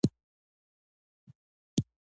داسې اعلان تر اوسه نه و لیدل شوی.